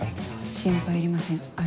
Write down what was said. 心配いりませんあ